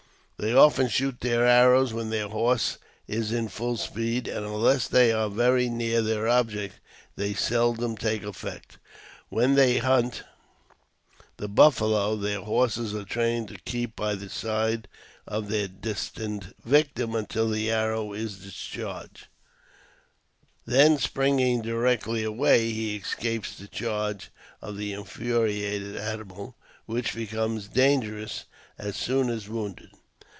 They often shoot their arrows when their horse is in full speed, and, unless they are very near their object, they seldom take effect . When they hunt the buffalo, their horses are trained to keep by the side of their destined victim until the arrow is dis charged ; then springing directly away, he escapes the charge of the infuriated animal, which becomes dangerous as soon as JAMES P. BECKWOURTH. 105 wounded.